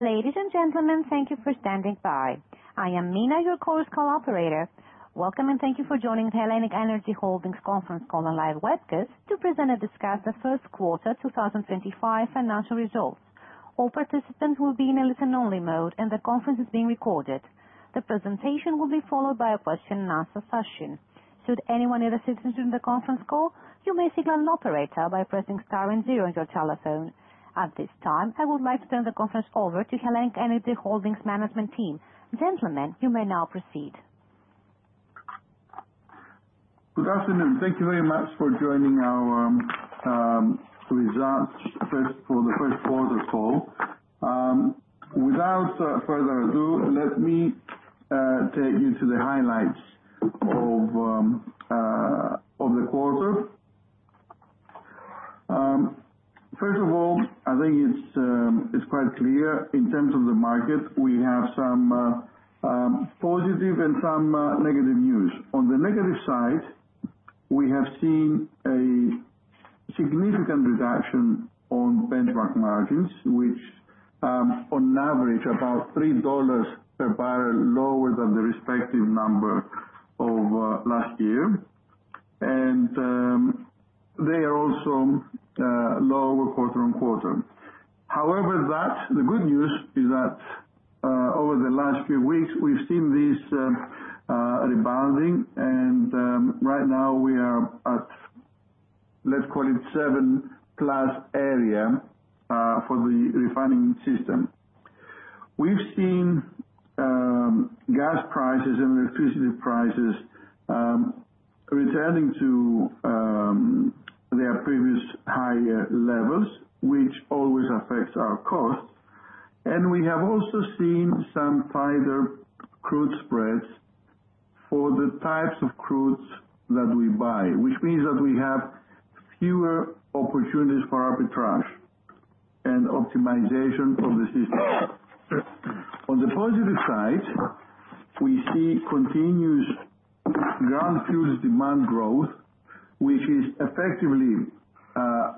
Ladies and gentlemen, thank you for standing by. I am Mina, your call's co-operator. Welcome and thank you for joining the HELLENiQ ENERGY Holdings conference call and live webcast to present and discuss the first quarter 2025 financial results. All participants will be in a listen-only mode, and the conference is being recorded. The presentation will be followed by a question-and-answer session. Should anyone need assistance during the conference call, you may signal an operator by pressing star and zero on your telephone. At this time, I would like to turn the conference over to HELLENiQ ENERGY Holdings Management Team. Gentlemen, you may now proceed. Good afternoon. Thank you very much for joining our results for the first quarter call. Without further ado, let me take you to the highlights of the quarter. First of all, I think it is quite clear. In terms of the market, we have some positive and some negative news. On the negative side, we have seen a significant reduction on benchmark margins, which on average are about $3 per barrel lower than the respective number of last year. They are also lower quarter on quarter. However, the good news is that over the last few weeks, we have seen this rebounding, and right now we are at, let's call it, 7-plus area for the refining system. We have seen gas prices and electricity prices returning to their previous higher levels, which always affects our costs. We have also seen some tighter crude spreads for the types of crudes that we buy, which means that we have fewer opportunities for arbitrage and optimization of the system. On the positive side, we see continuous ground fuel demand growth, which is effectively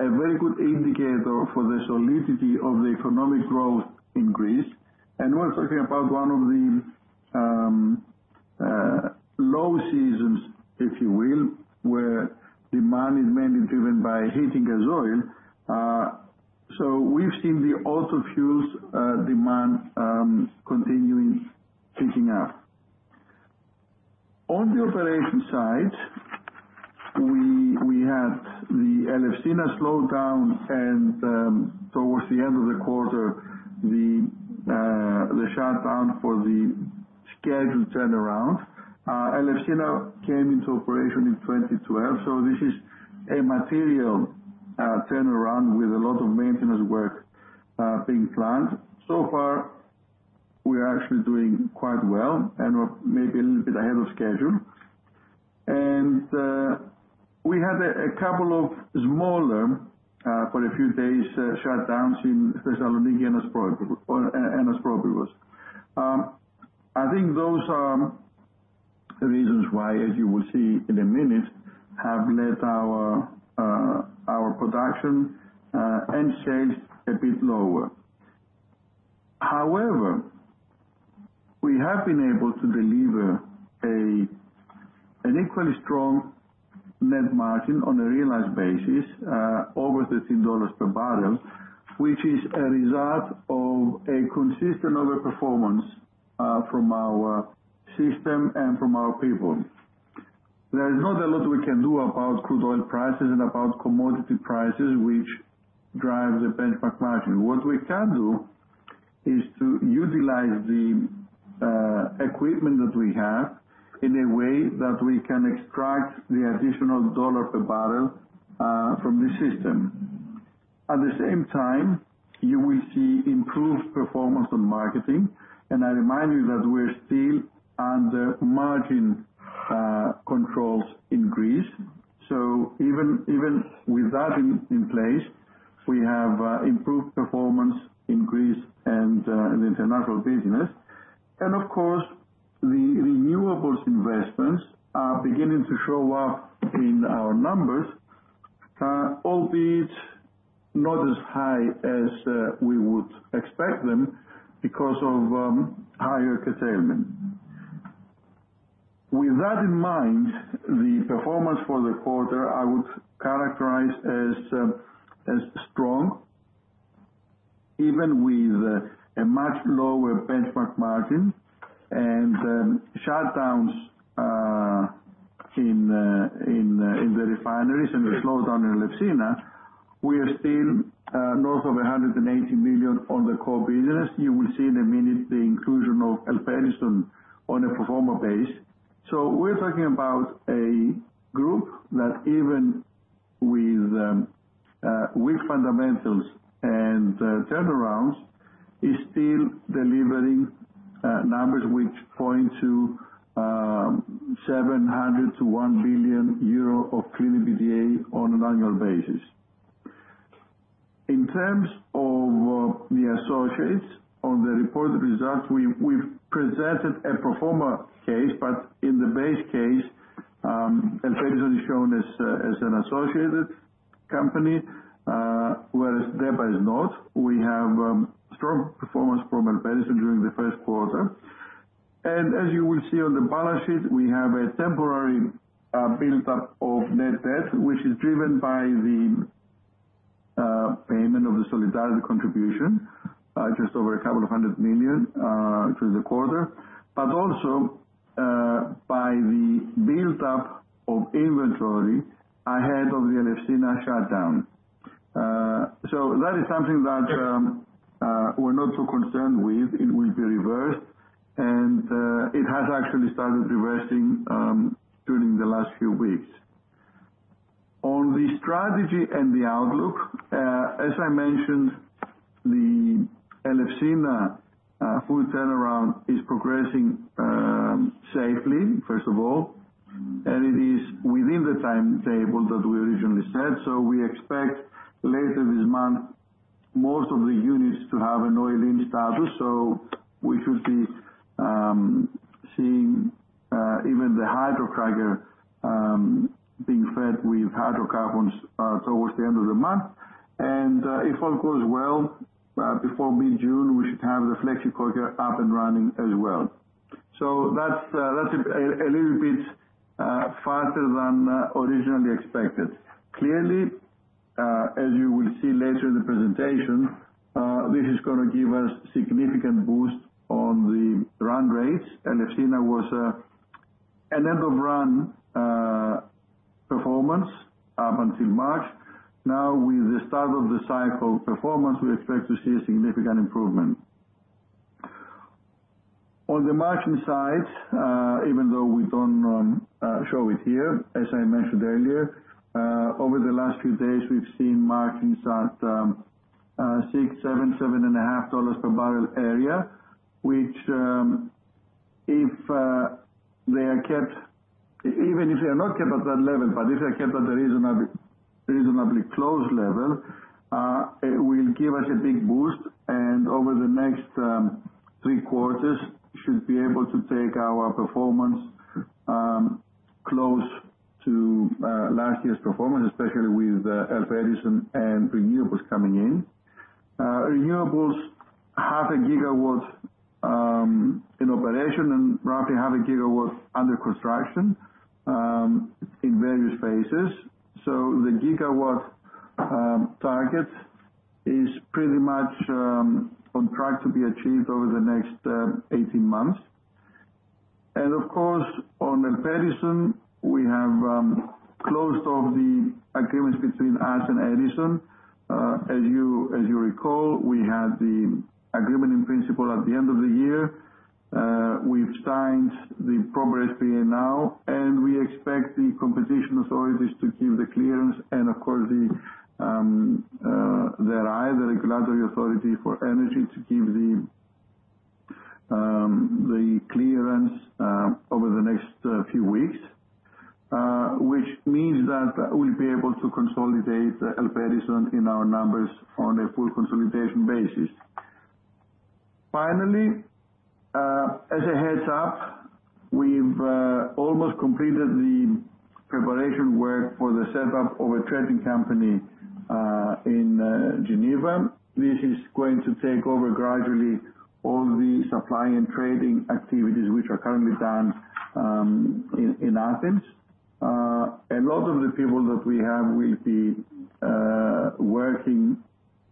a very good indicator for the solidity of the economic growth in Greece. We are talking about one of the low seasons, if you will, where demand is mainly driven by heating gas oil. We have seen the auto fuels demand continuing to pick up. On the operation side, we had the Elefsina slowdown, and towards the end of the quarter, the shutdown for the scheduled turnaround. Elefsina came into operation in 2012, so this is a material turnaround with a lot of maintenance work being planned. So far, we are actually doing quite well and maybe a little bit ahead of schedule. We had a couple of smaller shutdowns for a few days in Thessaloniki and Aspropyrgos. I think those are reasons why, as you will see in a minute, have led our production and sales a bit lower. However, we have been able to deliver an equally strong net margin on a realized basis over $13 per barrel, which is a result of a consistent overperformance from our system and from our people. There is not a lot we can do about crude oil prices and about commodity prices, which drive the benchmark margin. What we can do is to utilize the equipment that we have in a way that we can extract the additional dollar per barrel from the system. At the same time, you will see improved performance on marketing. I remind you that we are still under margin controls in Greece. Even with that in place, we have improved performance in Greece and in international business. Of course, the renewables investments are beginning to show up in our numbers, albeit not as high as we would expect them because of higher curtailment. With that in mind, the performance for the quarter I would characterize as strong, even with a much lower benchmark margin and shutdowns in the refineries and the slowdown in Elefsina. We are still north of 180 million on the core business. You will see in a minute the inclusion of ELPEDISON on a pro forma base. We are talking about a group that, even with weak fundamentals and turnarounds, is still delivering numbers which point to 700 million-1 billion euro of clean EBITDA on an annual basis. In terms of the associates on the reported results, we've presented a pro forma case, but in the base case, ELPEDISON is shown as an associated company, whereas DEPA is not. We have strong performance from ELPEDISON during the first quarter. As you will see on the balance sheet, we have a temporary build-up of net debt, which is driven by the payment of the solidarity contribution, just over a couple of hundred million through the quarter, but also by the build-up of inventory ahead of the Elefsina shutdown. That is something that we're not too concerned with. It will be reversed, and it has actually started reversing during the last few weeks. On the strategy and the outlook, as I mentioned, the Elefsina full turnaround is progressing safely, first of all, and it is within the timetable that we originally set. We expect later this month most of the units to have an oil-in status. We should be seeing even the hydrocracker being fed with hydrocarbons towards the end of the month. If all goes well, before mid-June, we should have the flexicoker up and running as well. That is a little bit faster than originally expected. Clearly, as you will see later in the presentation, this is going to give us a significant boost on the run rates. Elefsina was an end-of-run performance up until March. Now, with the start of the cycle performance, we expect to see a significant improvement. On the margin side, even though we do not show it here, as I mentioned earlier, over the last few days, we have seen margins at $6, $7, $7.5 per barrel area, which, if they are kept, even if they are not kept at that level, but if they are kept at a reasonably close level, it will give us a big boost. Over the next three quarters, we should be able to take our performance close to last year's performance, especially with ELPEDISON and renewables coming in. Renewables, half a gigawatt in operation and roughly half a gigawatt under construction in various phases. The gigawatt target is pretty much on track to be achieved over the next 18 months. Of course, on ELPEDISON, we have closed off the agreements between us and Edison. As you recall, we had the agreement in principle at the end of the year. We've signed the proper SPA now, and we expect the competition authorities to give the clearance and, of course, the RAE, the regulatory authority for energy, to give the clearance over the next few weeks, which means that we'll be able to consolidate ELPEDISON in our numbers on a full consolidation basis. Finally, as a heads-up, we've almost completed the preparation work for the setup of a trading company in Geneva. This is going to take over gradually all the supply and trading activities which are currently done in Athens. A lot of the people that we have will be working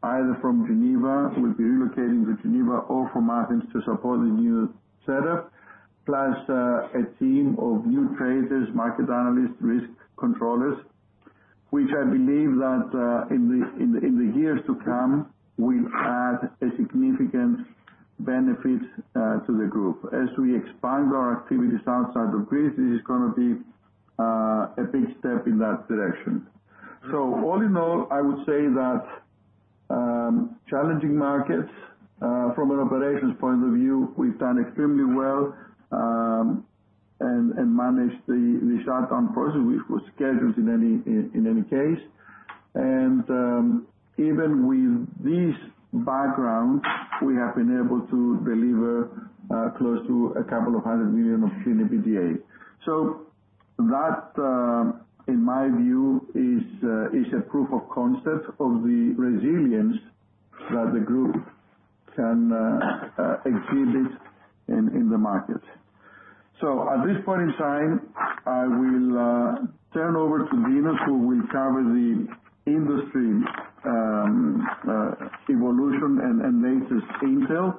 either from Geneva, will be relocating to Geneva, or from Athens to support the new setup, plus a team of new traders, market analysts, risk controllers, which I believe that in the years to come will add a significant benefit to the group. As we expand our activities outside of Greece, this is going to be a big step in that direction. All in all, I would say that challenging markets, from an operations point of view, we've done extremely well and managed the shutdown process, which was scheduled in any case. Even with this background, we have been able to deliver close to a couple of hundred million of clean EBITDA. That, in my view, is a proof of concept of the resilience that the group can exhibit in the market. At this point in time, I will turn over to Dinos, who will cover the industry evolution and latest intel.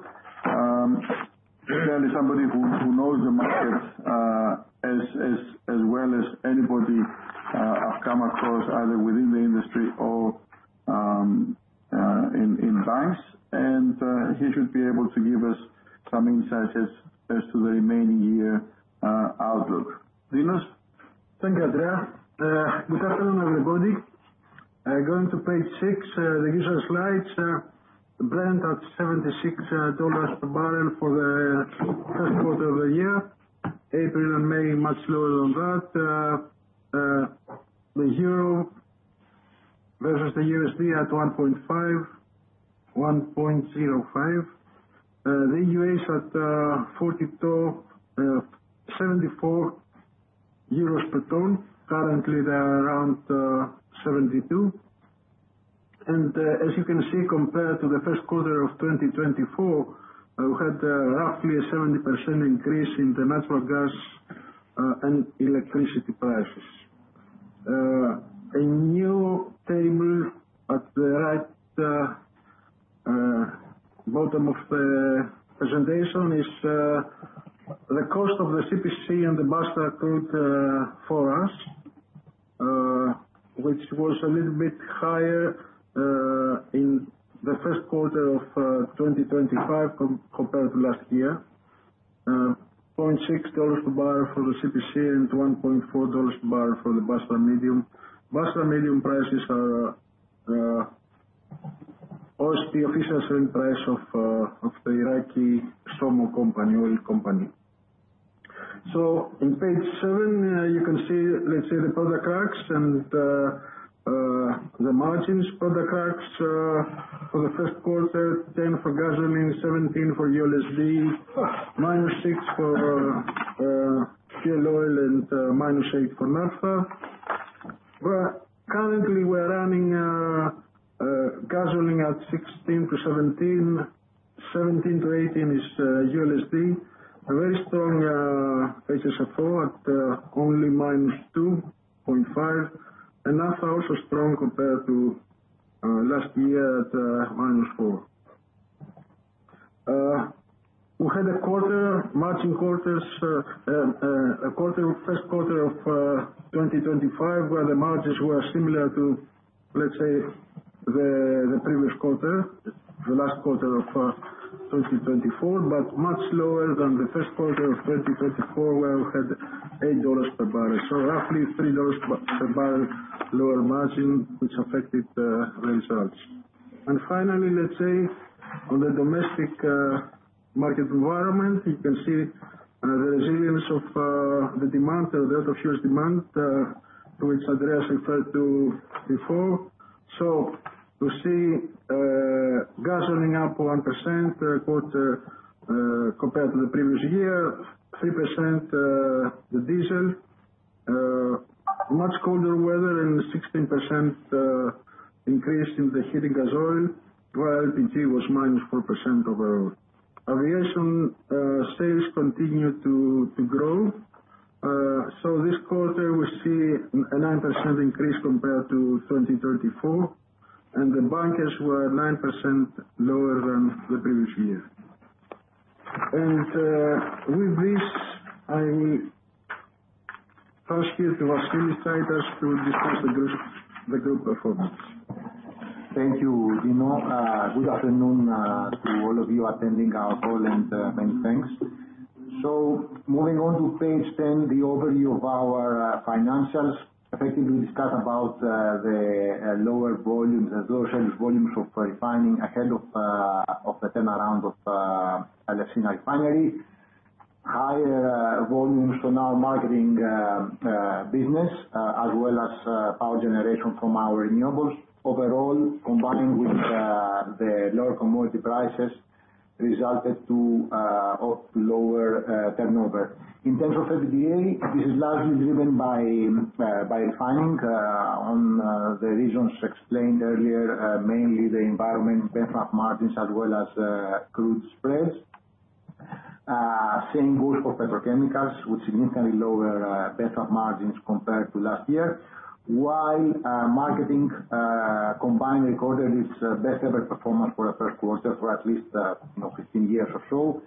Certainly, somebody who knows the market as well as anybody I have come across either within the industry or in banks. He should be able to give us some insights as to the remaining year outlook. Dinos? Thank you, Andreas. Good afternoon, everybody. Going to page six, the user slides. Brent at $76 per barrel for the first quarter of the year. April and May, much lower than that. The euro versus the USD at 1.05. The USD at 42 euros, 74 euros per tonne. Currently, they are around 72. As you can see, compared to the first quarter of 2024, we had roughly a 70% increase in the natural gas and electricity prices. A new table at the right bottom of the presentation is the cost of the CPC and the Basrah crude for us, which was a little bit higher in the first quarter of 2025 compared to last year. $0.6 per barrel for the CPC and $1.4 per barrel for the Basrah Medium. Basrah Medium prices are OSP official selling price of the Iraqi SOMO company, oil company. On page seven, you can see, let's say, the product cracks and the margins, product cracks for the first quarter, 10 for gasoline, 17 for ULSD, minus 6 for fuel oil, and minus 8 for naphtha. Currently, we are running gasoline at 16-17. 17-18 is ULSD. A very strong HSFO at only minus 2.5. And naphtha also strong compared to last year at minus 4. We had a quarter, marching quarters, a quarter, first quarter of 2025, where the margins were similar to, let's say, the previous quarter, the last quarter of 2024, but much lower than the first quarter of 2024, where we had $8 per barrel. So roughly $3 per barrel lower margin, which affected the results. Finally, let's say, on the domestic market environment, you can see the resilience of the demand, the relative fuel demand, to which Andreas referred to before. To see gasoline up 1% quarter compared to the previous year, 3% the diesel, much colder weather, and 16% increase in the heating gas oil, while LPG was minus 4% overall. Aviation sales continued to grow. This quarter, we see a 9% increase compared to 2024. The bankers were 9% lower than the previous year. With this, I will ask you to facilitate us to discuss the group performance. Thank you, Dinos. Good afternoon to all of you attending our call, and many thanks. Moving on to page 10, the overview of our financials. Effectively, we discussed about the lower volumes, the lower shell volumes of refining ahead of the turnaround of Elefsina refinery, higher volumes to now marketing business, as well as power generation from our renewables. Overall, combined with the lower commodity prices, resulted to lower turnover. In terms of EBITDA, this is largely driven by refining on the reasons explained earlier, mainly the environment, better margins, as well as crude spreads. Same goes for petrochemicals, with significantly lower better margins compared to last year, while marketing combined recorded its best-ever performance for the first quarter for at least 15 years or so.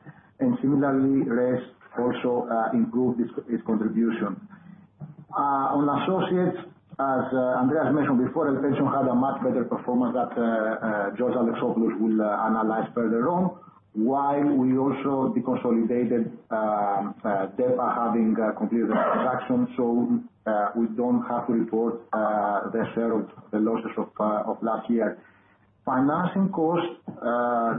Similarly, RES also improved its contribution. On associates, as Andreas mentioned before, ELPEDISON had a much better performance that George Alexopoulos will analyze further on, while we also deconsolidated DEPA having completed the transaction, so we do not have to report the share of the losses of last year. Financing costs,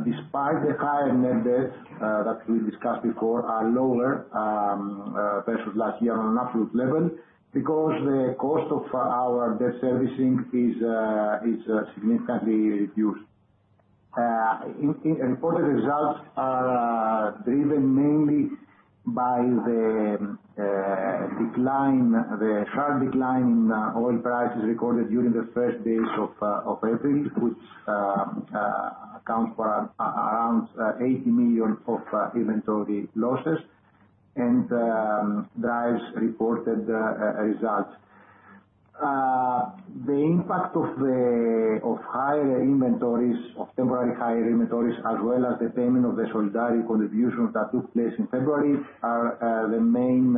despite the higher net debt that we discussed before, are lower versus last year on an absolute level because the cost of our debt servicing is significantly reduced. Reported results are driven mainly by the decline, the sharp decline in oil prices recorded during the first days of April, which accounts for around 80 million of inventory losses and drives reported results. The impact of higher inventories, of temporary higher inventories, as well as the payment of the solidarity contribution that took place in February, are the main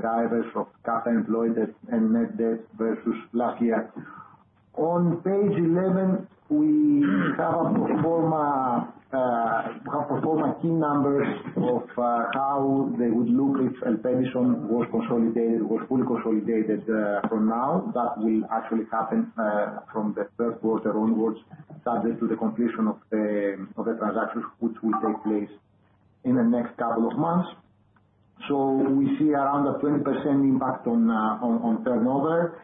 drivers of capital employed and net debt versus last year. On page 11, we have performed key numbers of how they would look if ELPEDISON was consolidated, was fully consolidated from now. That will actually happen from the third quarter onwards, subject to the completion of the transactions, which will take place in the next couple of months. We see around a 20% impact on turnover,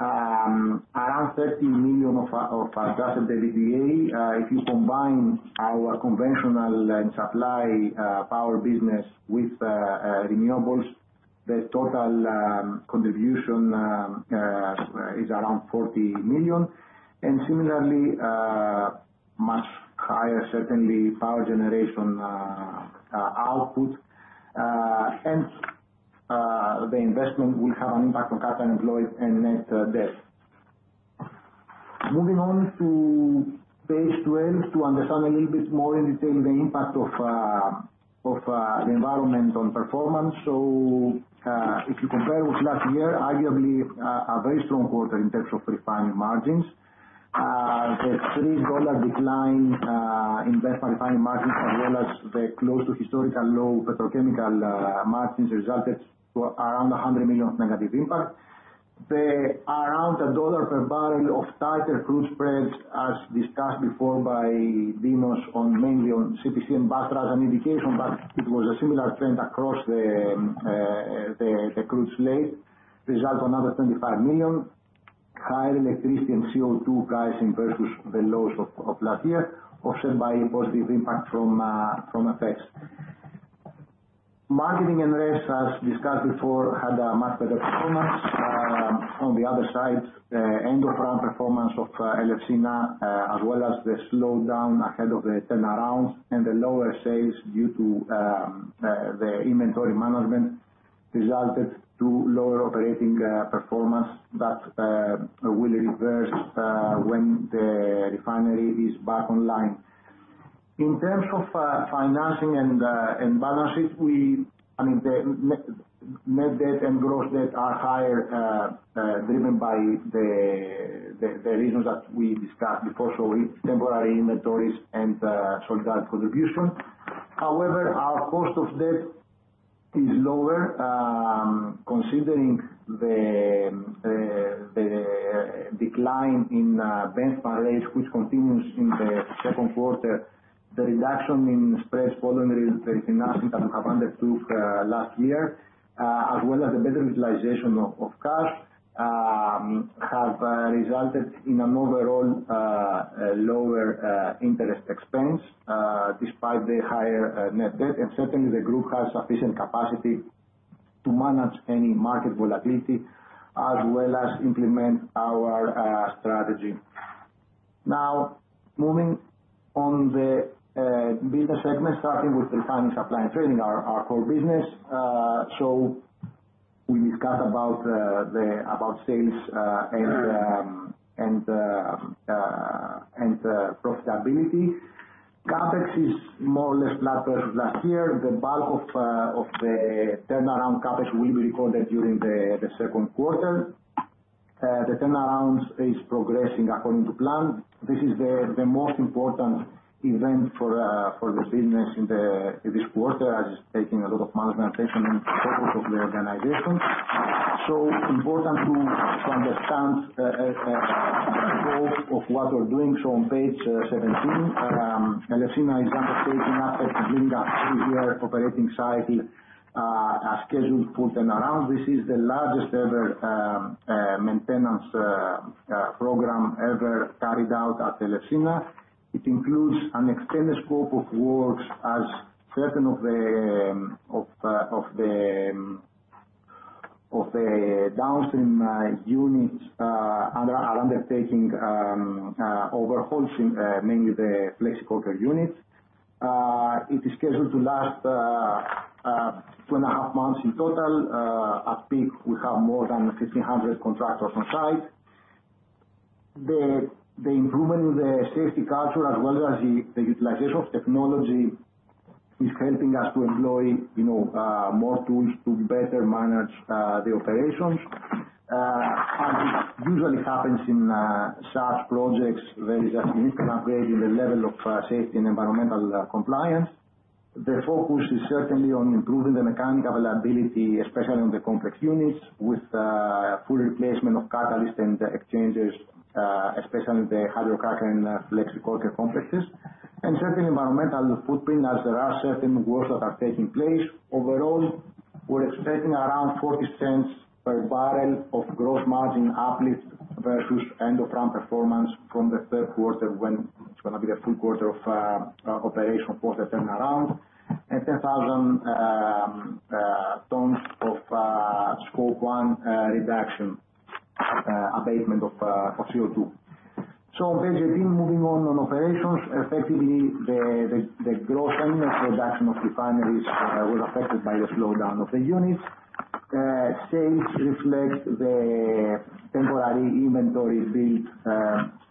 around 30 million of adjusted EBITDA. If you combine our conventional supply power business with renewables, the total contribution is around EUR 40 million. Similarly, much higher, certainly, power generation output. The investment will have an impact on capital employed and net debt. Moving on to page 12 to understand a little bit more in detail the impact of the environment on performance. If you compare with last year, arguably a very strong quarter in terms of refining margins. The $3 decline in better refining margins, as well as the close to historical low petrochemical margins, resulted in around 100 million negative impact. The around $1 per barrel of tighter crude spreads, as discussed before by Dinos mainly on CPC and Basrah as an indication, but it was a similar trend across the crude slate, resulting in another 25 million. Higher electricity and CO2 pricing versus the lows of last year, offset by positive impact from effects. Marketing and REST, as discussed before, had a much better performance. On the other side, end-of-run performance of Elefsina, as well as the slowdown ahead of the turnaround and the lower sales due to the inventory management, resulted in lower operating performance that will reverse when the refinery is back online. In terms of financing and balance sheet, I mean, the net debt and gross debt are higher, driven by the reasons that we discussed before, so temporary inventories and solidarity contribution. However, our cost of debt is lower, considering the decline in benchmark rates, which continues in the second quarter, the reduction in spreads following the refinancing that we have undertook last year, as well as the better utilization of cash, have resulted in an overall lower interest expense, despite the higher net debt. Certainly, the group has sufficient capacity to manage any market volatility, as well as implement our strategy. Now, moving on the business segment, starting with refining supply and trading, our core business. We discussed about sales and profitability. CapEx is more or less flat versus last year. The bulk of the turnaround CapEx will be recorded during the second quarter. The turnaround is progressing according to plan. This is the most important event for the business in this quarter, as it's taking a lot of management attention and focus of the organization. Important to understand the scope of what we're doing. On page 17, Elefsina is undertaking, after bringing a three-year operating cycle, as scheduled, for turnaround. This is the largest ever maintenance program ever carried out at Elefsina. It includes an extended scope of works, as certain of the downstream units are undertaking overhauls, mainly the flexicoker units. It is scheduled to last two and a half months in total. At peak, we have more than 1,500 contractors on site. The improvement in the safety culture, as well as the utilization of technology, is helping us to employ more tools to better manage the operations. As it usually happens in such projects, there is a significant upgrade in the level of safety and environmental compliance. The focus is certainly on improving the mechanical availability, especially on the complex units, with full replacement of catalysts and exchangers, especially the hydrocracker and flexicoker complexes. A certain environmental footprint, as there are certain works that are taking place. Overall, we're expecting around 0.40 per barrel of gross margin uplift versus end-of-run performance from the third quarter, when it's going to be the full quarter of operation for the turnaround, and 10,000 tons of scope one reduction, abatement of CO2. On page 18, moving on on operations, effectively, the gross annual production of refineries was affected by the slowdown of the units. Sales reflect the temporary inventory build,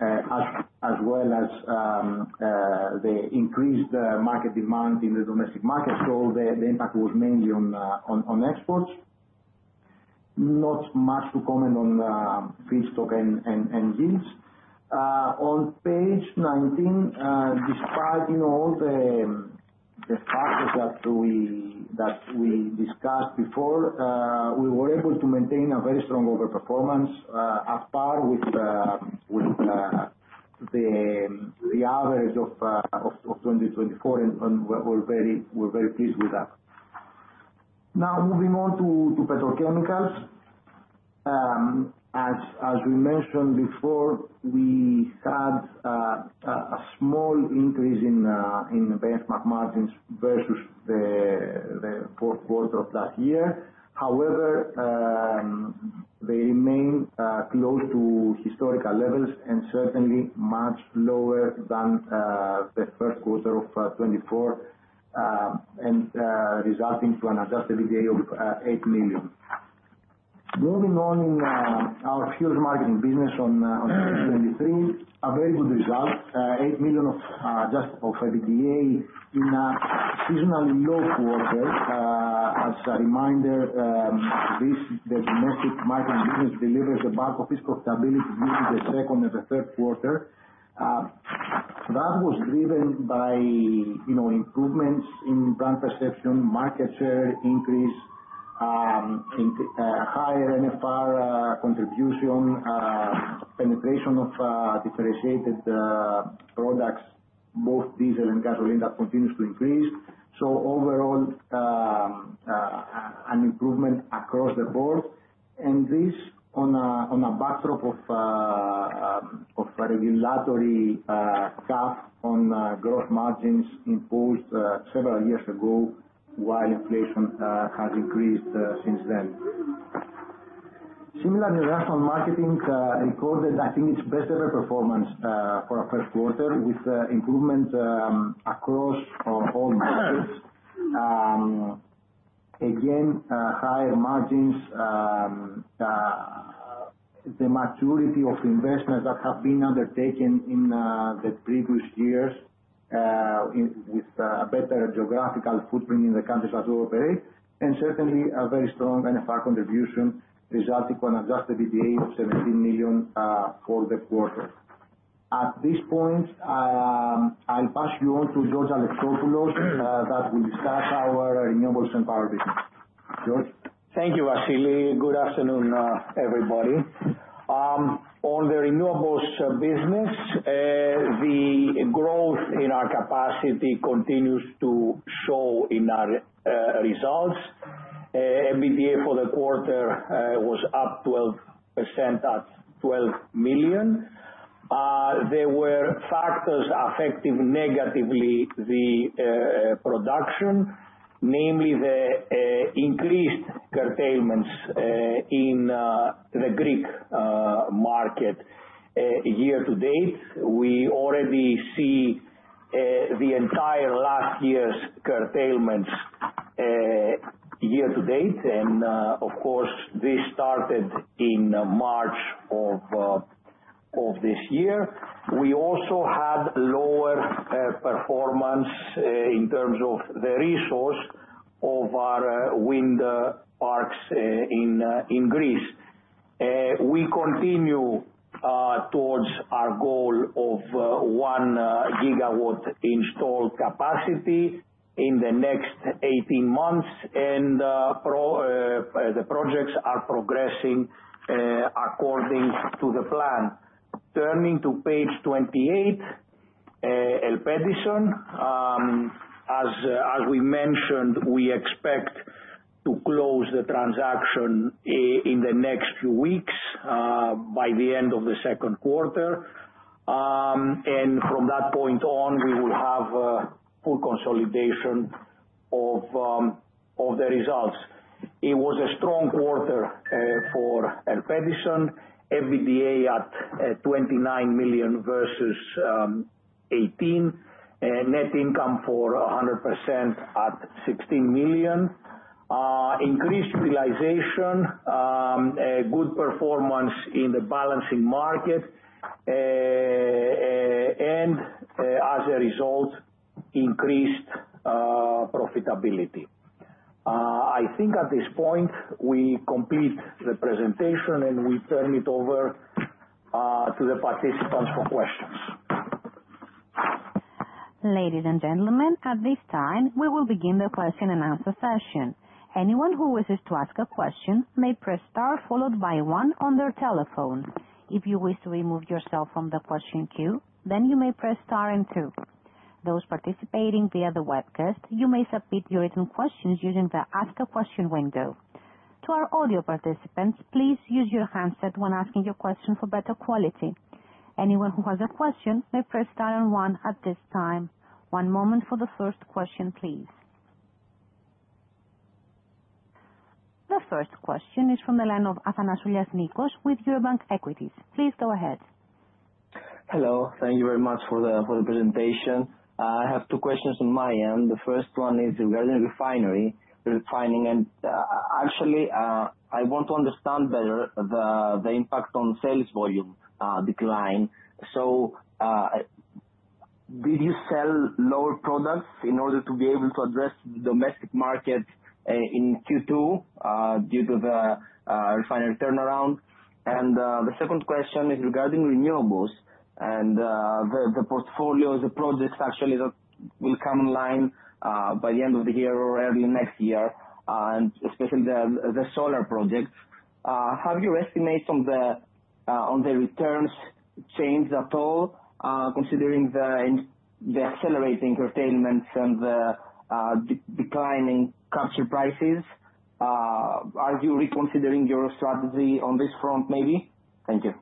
as well as the increased market demand in the domestic market. The impact was mainly on exports. Not much to comment on feedstock and yields. On page 19, despite all the factors that we discussed before, we were able to maintain a very strong overperformance as par with the average of 2024, and we're very pleased with that. Now, moving on to petrochemicals. As we mentioned before, we had a small increase in benchmark margins versus the fourth quarter of last year. However, they remain close to historical levels and certainly much lower than the first quarter of 2024, resulting in an adjusted EBITDA of 8 million. Moving on in our fuels marketing business on page 23, a very good result, 8 million of adjusted EBITDA in a seasonally low quarter. As a reminder, the domestic marketing business delivers a bulk of its profitability during the second and the third quarter. That was driven by improvements in brand perception, market share increase, higher NFR contribution, penetration of differentiated products, both diesel and gasoline, that continues to increase. Overall, an improvement across the board. This on a backdrop of a regulatory cap on gross margins imposed several years ago, while inflation has increased since then. Similarly, national marketing recorded, I think, its best-ever performance for a first quarter, with improvement across all markets. Again, higher margins, the maturity of investments that have been undertaken in the previous years with a better geographical footprint in the countries that we operate, and certainly a very strong NFR contribution resulting in an adjusted EBITDA of 17 million for the quarter. At this point, I'll pass you on to George Alexopoulos that will discuss our renewables and power business. George? Thank you, Vasilis. Good afternoon, everybody. On the renewables business, the growth in our capacity continues to show in our results. EBITDA for the quarter was up 12% at 12 million. There were factors affecting negatively the production, namely the increased curtailments in the Greek market year-to-date. We already see the entire last year's curtailments year-to-date. Of course, this started in March of this year. We also had lower performance in terms of the resource of our wind parks in Greece. We continue towards our goal of 1 gigawatt installed capacity in the next 18 months, and the projects are progressing according to the plan. Turning to page 28, ELPEDISON, as we mentioned, we expect to close the transaction in the next few weeks by the end of the second quarter. From that point on, we will have full consolidation of the results. It was a strong quarter for ELPEDISON. EBITDA at EUR 29 million versus 18, net income for 100% at 16 million. Increased utilization, good performance in the balancing market, and as a result, increased profitability. I think at this point, we complete the presentation, and we turn it over to the participants for questions. Ladies and gentlemen, at this time, we will begin the question and answer session. Anyone who wishes to ask a question may press star followed by one on their telephone. If you wish to remove yourself from the question queue, then you may press star and two. Those participating via the webcast, you may submit your written questions using the ask a question window. To our audio participants, please use your handset when asking your question for better quality. Anyone who has a question may press star and one at this time. One moment for the first question, please. The first question is from the line of Athanasoulias Nikos with Eurobank Equities. Please go ahead. Hello. Thank you very much for the presentation. I have two questions on my end. The first one is regarding refining and actually, I want to understand better the impact on sales volume decline. Did you sell lower products in order to be able to address the domestic market in Q2 due to the refinery turnaround? The second question is regarding renewables and the portfolios, the projects actually that will come online by the end of the year or early next year, and especially the solar projects. Have your estimates on the returns changed at all, considering the accelerating curtailments and the declining capture prices? Are you reconsidering your strategy on this front, maybe? Thank you.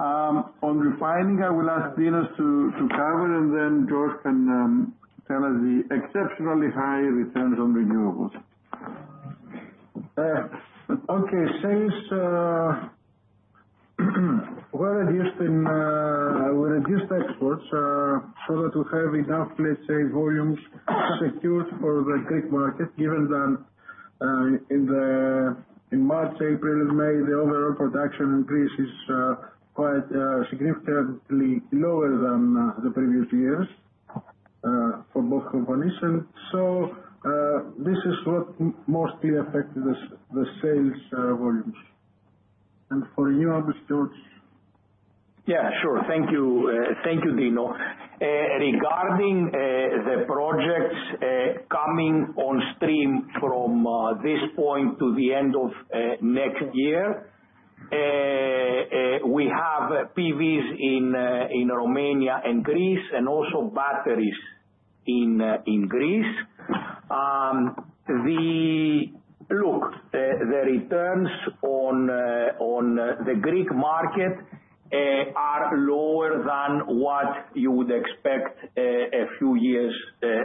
On refining, I will ask Dinos to cover, and then George can tell us the exceptionally high returns on renewables. Okay. Sales were reduced in reduced exports so that we have enough, let's say, volumes secured for the Greek market, given that in March, April, and May, the overall production increase is quite significantly lower than the previous years for both companies. This is what mostly affected the sales volumes. For renewables, George? Yeah, sure. Thank you, Dinos. Regarding the projects coming on stream from this point to the end of next year, we have PVs in Romania and Greece, and also batteries in Greece. Look, the returns on the Greek market are lower than what you would expect a few years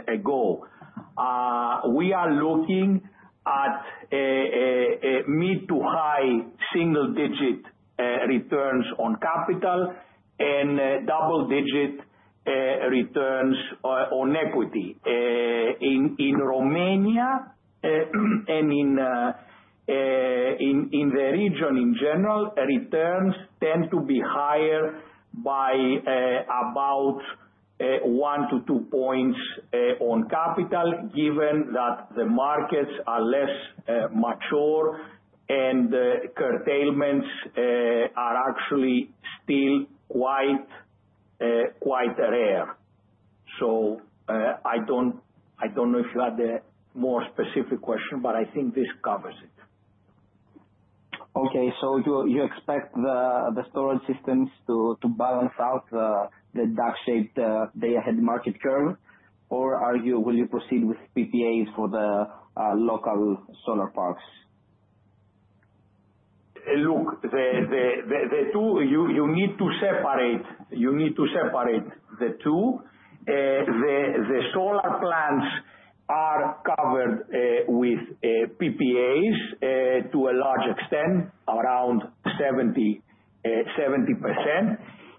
ago. We are looking at mid-to-high single-digit returns on capital and double-digit returns on equity. In Romania and in the region in general, returns tend to be higher by about one to two percentage points on capital, given that the markets are less mature and curtailments are actually still quite rare. I do not know if you had a more specific question, but I think this covers it. Okay. So you expect the storage systems to balance out the duck-shaped day-ahead market curve, or will you proceed with PPAs for the local solar parks? Look, the two, you need to separate. You need to separate the two. The solar plants are covered with PPAs to a large extent, around 70%.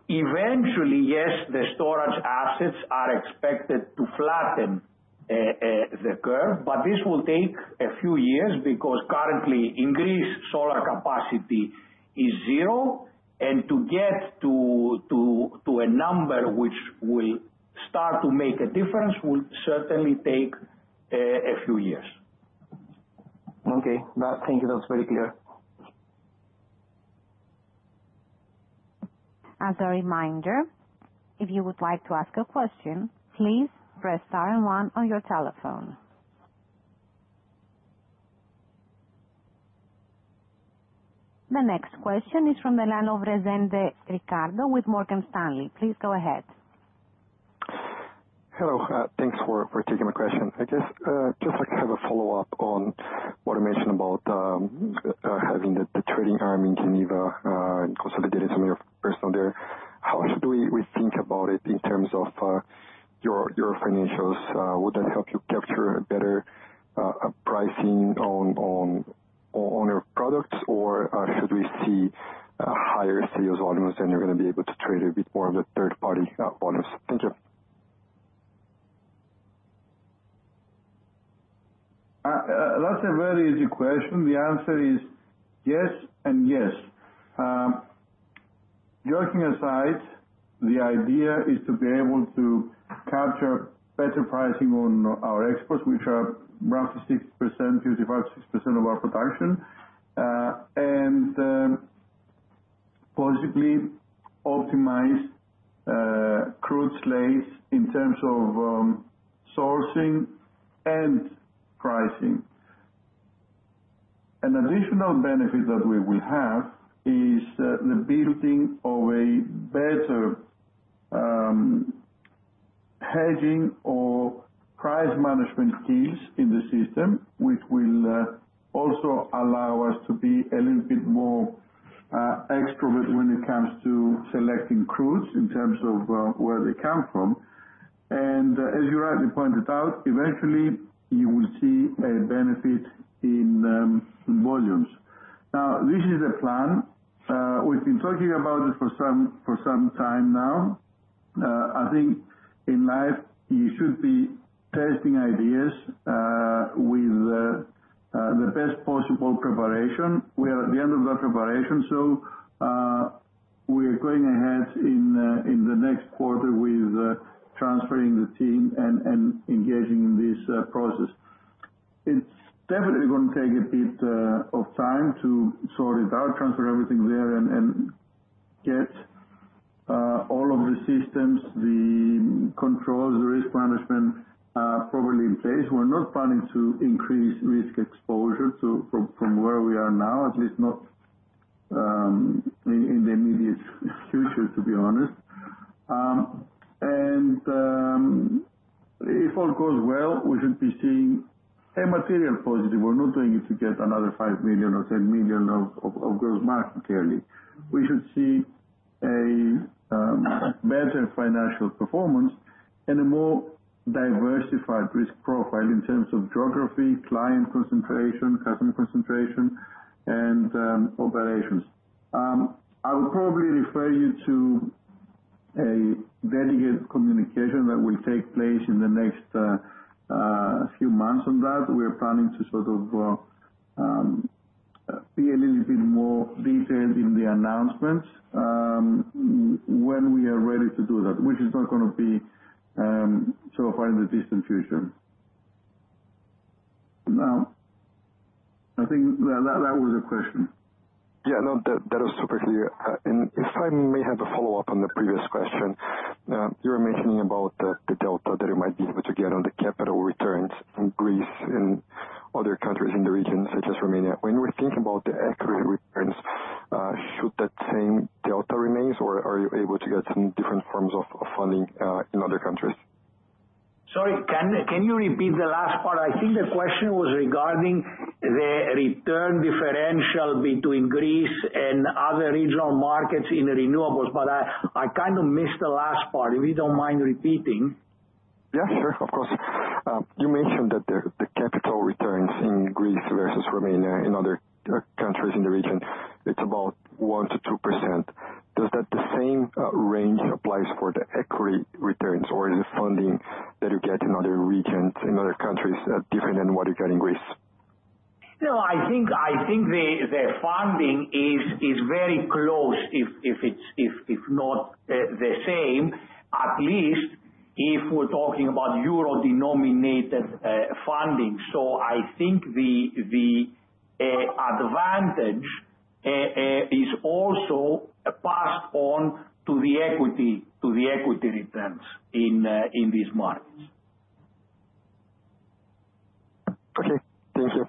Eventually, yes, the storage assets are expected to flatten the curve, but this will take a few years because currently in Greece, solar capacity is zero. To get to a number which will start to make a difference will certainly take a few years. Okay. Thank you. That's very clear. As a reminder, if you would like to ask a question, please press star and one on your telephone. The next question is from the line of Ricardo Rezende with Morgan Stanley. Please go ahead. Hello. Thanks for taking my question. I guess just like to have a follow-up on what I mentioned about having the trading arm in Geneva and consolidating some of your personnel there. How should we think about it in terms of your financials? Would that help you capture better pricing on your products, or should we see higher sales volumes and you're going to be able to trade a bit more of the third-party volumes? Thank you. That's a very easy question. The answer is yes and yes. Joking aside, the idea is to be able to capture better pricing on our exports, which are roughly 60%, 55%, 60% of our production, and possibly optimize crude slate in terms of sourcing and pricing. An additional benefit that we will have is the building of a better hedging or price management skills in the system, which will also allow us to be a little bit more extroverted when it comes to selecting crudes in terms of where they come from. As you rightly pointed out, eventually, you will see a benefit in volumes. Now, this is the plan. We've been talking about it for some time now. I think in life, you should be testing ideas with the best possible preparation. We are at the end of that preparation, so we are going ahead in the next quarter with transferring the team and engaging in this process. It is definitely going to take a bit of time to sort it out, transfer everything there, and get all of the systems, the controls, the risk management properly in place. We are not planning to increase risk exposure from where we are now, at least not in the immediate future, to be honest. If all goes well, we should be seeing a material positive. We are not doing it to get another $5 million or $10 million of gross market, clearly. We should see a better financial performance and a more diversified risk profile in terms of geography, client concentration, customer concentration, and operations. I will probably refer you to a delegate communication that will take place in the next few months on that. We are planning to sort of be a little bit more detailed in the announcements when we are ready to do that, which is not going to be so far in the distant future. Now, I think that was the question. Yeah. No, that was perfectly clear. If I may have a follow-up on the previous question, you were mentioning about the delta that you might be able to get on the capital returns in Greece and other countries in the region, such as Romania. When we're thinking about the accurate returns, should that same delta remain, or are you able to get some different forms of funding in other countries? Sorry, can you repeat the last part? I think the question was regarding the return differential between Greece and other regional markets in renewables, but I kind of missed the last part. If you do not mind repeating. Yeah, sure. Of course. You mentioned that the capital returns in Greece versus Romania and other countries in the region, it's about 1-2%. Does that same range apply for the equity returns, or is the funding that you get in other regions, in other countries, different than what you get in Greece? No, I think the funding is very close, if not the same, at least if we're talking about euro-denominated funding. I think the advantage is also passed on to the equity returns in these markets. Okay. Thank you.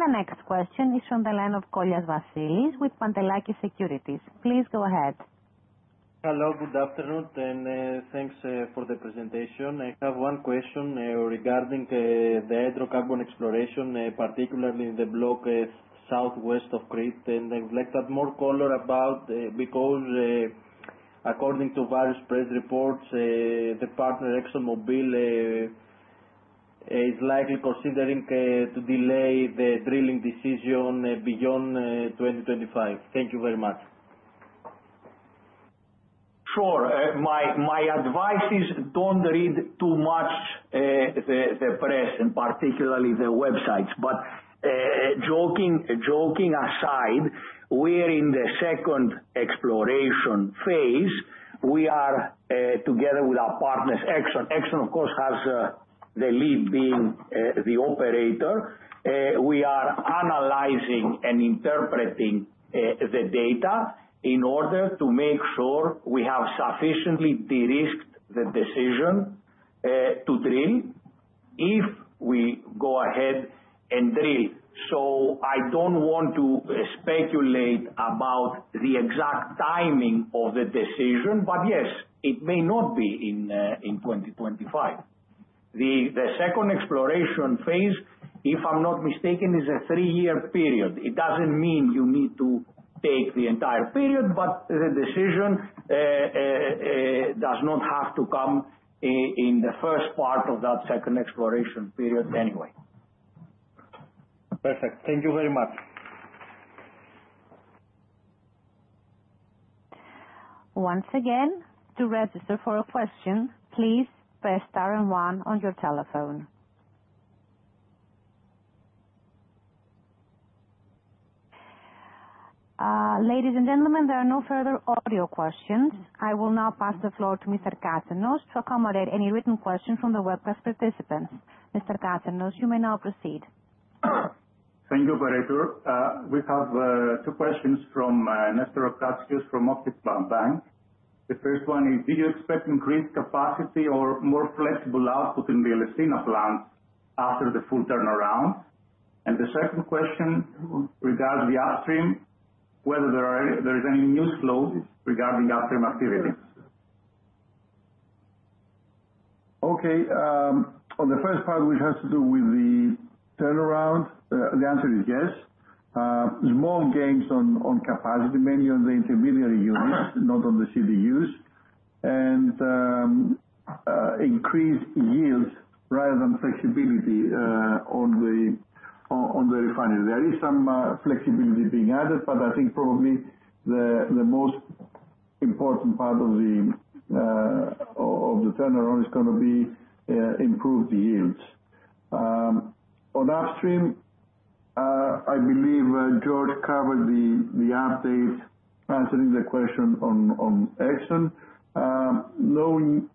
The next question is from the line of Vasilis Kollias with Pantelakis Securities. Please go ahead. Hello. Good afternoon, and thanks for the presentation. I have one question regarding the hydrocarbon exploration, particularly in the block southwest of Crete. I would like to add more color about because, according to various press reports, the partner ExxonMobil is likely considering to delay the drilling decision beyond 2025. Thank you very much. Sure. My advice is don't read too much the press, and particularly the websites. Joking aside, we are in the second exploration phase. We are together with our partners, Exxon. Exxon, of course, has the lead being the operator. We are analyzing and interpreting the data in order to make sure we have sufficiently de-risked the decision to drill if we go ahead and drill. I don't want to speculate about the exact timing of the decision, but yes, it may not be in 2025. The second exploration phase, if I'm not mistaken, is a three-year period. It doesn't mean you need to take the entire period, but the decision does not have to come in the first part of that second exploration period anyway. Perfect. Thank you very much. Once again, to register for a question, please press star and one on your telephone. Ladies and gentlemen, there are no further audio questions. I will now pass the floor to Mr. Katsenos to accommodate any written questions from the webcast participants. Mr. Katsenos, you may now proceed. Thank you, Operator. We have two questions from Nestor Octavius from Morgan Stanley. The first one is, do you expect increased capacity or more flexible output in the Elefsina plant after the full turnaround? The second question regards the upstream, whether there is any new slope regarding upstream activity. Okay. On the first part, which has to do with the turnaround, the answer is yes. Small gains on capacity, mainly on the intermediary units, not on the CDUs, and increased yields rather than flexibility on the refineries. There is some flexibility being added, but I think probably the most important part of the turnaround is going to be improved yields. On upstream, I believe George covered the update answering the question on Exxon. No new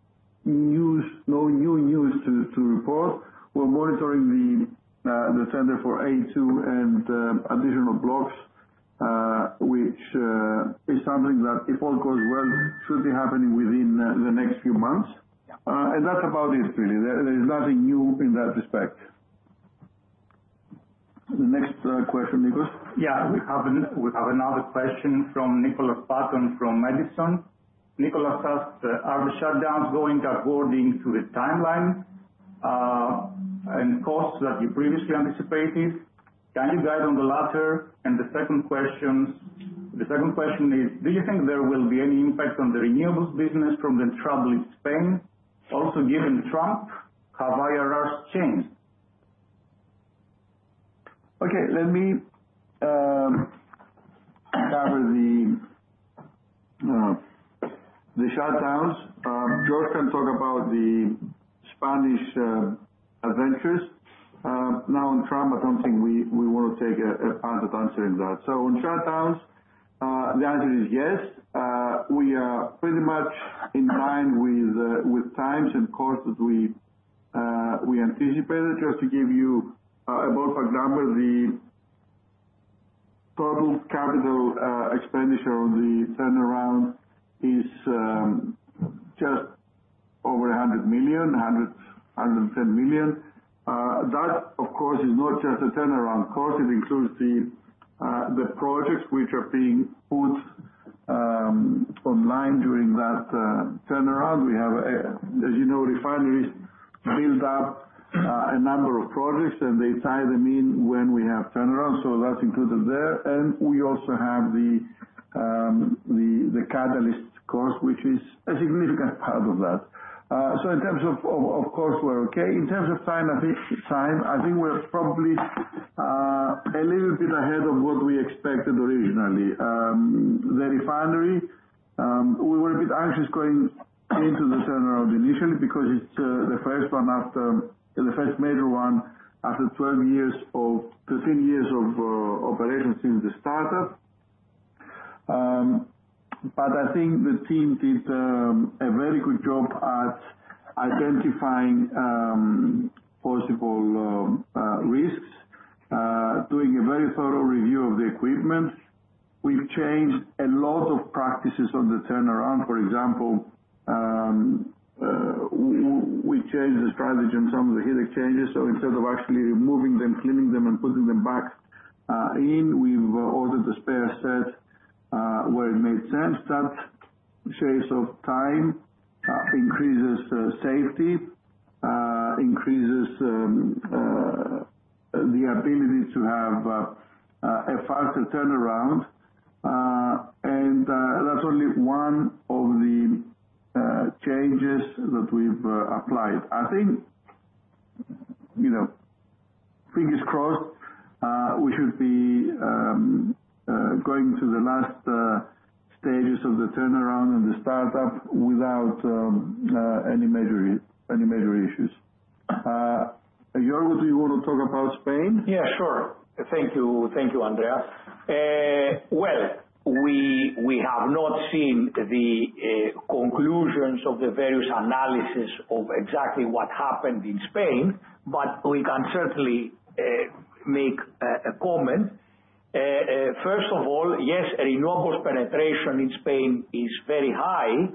news to report. We're monitoring the tender for A2 and additional blocks, which is something that, if all goes well, should be happening within the next few months. That is about it, really. There is nothing new in that respect. The next question, Nicholas. Yeah. We have another question from Nicholas Button from Madison. Nicholas asked, are the shutdowns going according to the timeline and costs that you previously anticipated? Can you guide on the latter? The second question is, do you think there will be any impact on the renewables business from the trouble in Spain, also given Trump? Have IRRs changed? Okay. Let me cover the shutdowns. George can talk about the Spanish adventures. Now, on Trump, I do not think we want to take a part of answering that. On shutdowns, the answer is yes. We are pretty much in line with times and costs that we anticipated. Just to give you a ballpark number, the total capital expenditure on the turnaround is just over 100 million, 110 million. That, of course, is not just a turnaround cost. It includes the projects which are being put online during that turnaround. We have, as you know, refineries build up a number of projects, and they tie them in when we have turnaround. That is included there. We also have the catalyst cost, which is a significant part of that. In terms of cost, we are okay. In terms of time, I think we're probably a little bit ahead of what we expected originally. The refinery, we were a bit anxious going into the turnaround initially because it's the first major one after 12 or 13 years of operations since the startup. I think the team did a very good job at identifying possible risks, doing a very thorough review of the equipment. We've changed a lot of practices on the turnaround. For example, we changed the strategy on some of the heat exchangers. Instead of actually removing them, cleaning them, and putting them back in, we've ordered a spare set where it made sense. That saves time, increases safety, increases the ability to have a faster turnaround. That's only one of the changes that we've applied. I think, fingers crossed, we should be going to the last stages of the turnaround and the startup without any major issues. George, do you want to talk about Spain? Yeah, sure. Thank you, Andrea. We have not seen the conclusions of the various analyses of exactly what happened in Spain, but we can certainly make a comment. First of all, yes, renewables penetration in Spain is very high.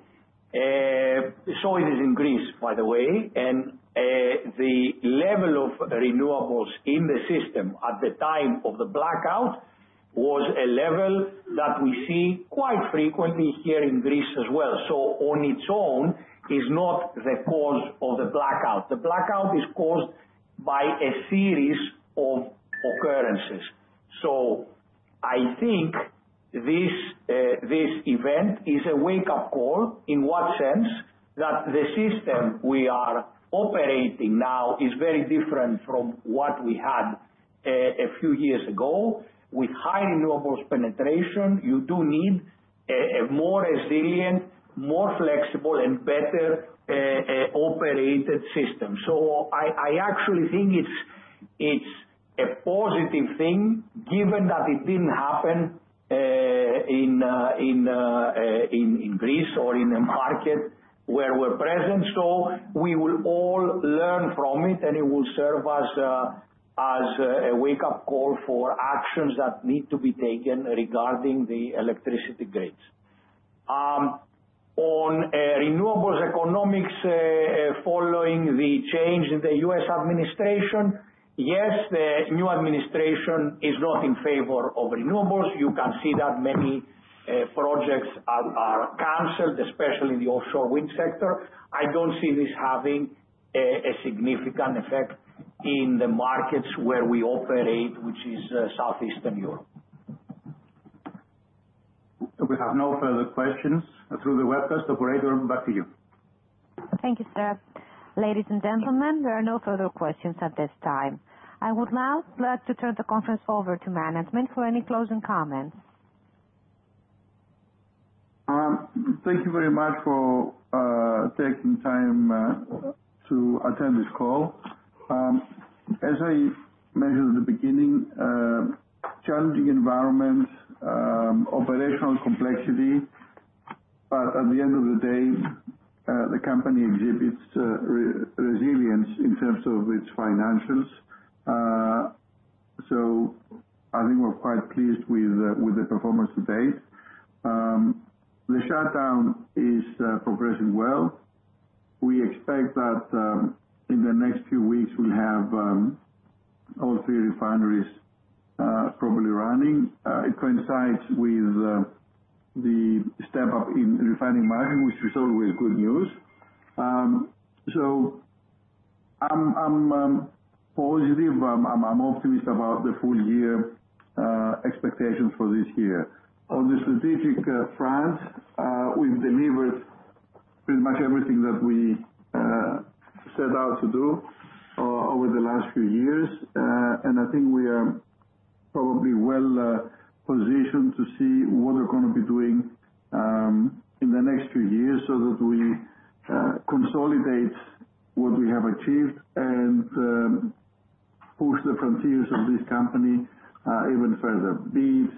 It is in Greece, by the way. The level of renewables in the system at the time of the blackout was a level that we see quite frequently here in Greece as well. On its own, it is not the cause of the blackout. The blackout is caused by a series of occurrences. I think this event is a wake-up call. In what sense? The system we are operating now is very different from what we had a few years ago. With high renewables penetration, you do need a more resilient, more flexible, and better operated system. I actually think it's a positive thing, given that it didn't happen in Greece or in the market where we're present. We will all learn from it, and it will serve as a wake-up call for actions that need to be taken regarding the electricity grids. On renewables economics, following the change in the U.S. administration, yes, the new administration is not in favor of renewables. You can see that many projects are canceled, especially the offshore wind sector. I don't see this having a significant effect in the markets where we operate, which is Southeastern Europe. We have no further questions through the webcast. Operator, back to you. Thank you, sir. Ladies and gentlemen, there are no further questions at this time. I would now like to turn the conference over to management for any closing comments. Thank you very much for taking time to attend this call. As I mentioned at the beginning, challenging environment, operational complexity, but at the end of the day, the company exhibits resilience in terms of its financials. I think we're quite pleased with the performance to date. The shutdown is progressing well. We expect that in the next few weeks, we'll have all three refineries probably running. It coincides with the step-up in refining market, which is always good news. I am positive. I am optimistic about the full-year expectations for this year. On the strategic front, we've delivered pretty much everything that we set out to do over the last few years. I think we are probably well positioned to see what we're going to be doing in the next few years so that we consolidate what we have achieved and push the frontiers of this company even further, be it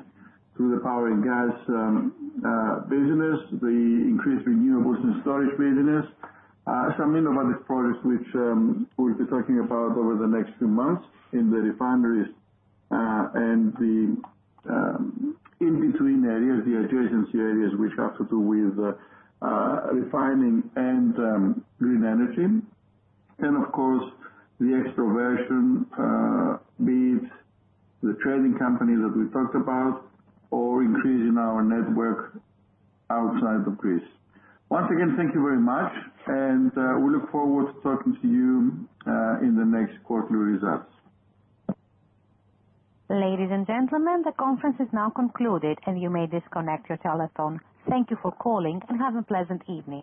through the power and gas business, the increased renewables and storage business, some innovative projects which we'll be talking about over the next few months in the refineries and the in-between areas, the adjacency areas which have to do with refining and green energy. Of course, the extroversion, be it the trading company that we talked about, or increasing our network outside of Greece. Once again, thank you very much. We look forward to talking to you in the next quarterly results. Ladies and gentlemen, the conference is now concluded, and you may disconnect your telephone. Thank you for calling, and have a pleasant evening.